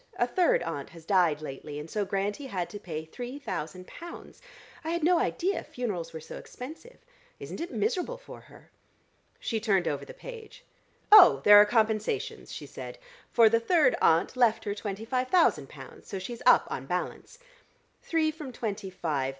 "A third aunt has died lately, and so Grantie had to pay three thousand pounds. I had no idea funerals were so expensive. Isn't it miserable for her?" She turned over the page. "Oh! There are compensations," she said, "for the third aunt left her twenty five thousand pounds, so she's up on balance. Three from twenty five....